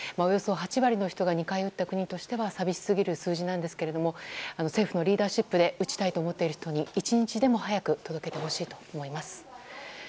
およそ８割の人が２回打った国としては寂しすぎる数字ですが政府のリーダーシップで打ちたいと思っている人に１日でも早く届けてほしいと思います。